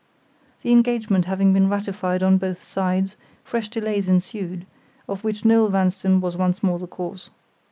The engagement having been ratified on both sides, fresh delays ensued, of which Noel Vanstone was once more the cause.